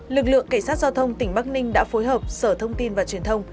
lực lượng cảnh sát giao thông tỉnh bắc ninh đã phối hợp sở thông tin và truyền thông